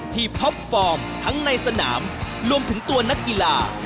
ท็อปฟอร์มทั้งในสนามรวมถึงตัวนักกีฬา